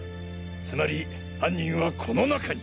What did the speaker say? つまり犯人はこの中に。